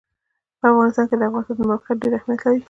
په افغانستان کې د افغانستان د موقعیت ډېر اهمیت لري.